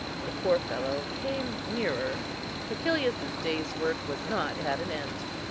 The poor fellow came nearer: Cæcilius's day's work was not at an end.